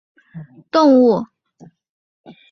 螯埃齿螯蛛为球蛛科齿螯蛛属的动物。